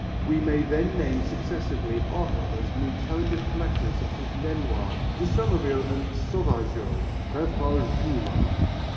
We may then name successively art lovers and intelligent collectors such as Lenoir, Du Sommerville and Sauvageot, Revoil Willemin.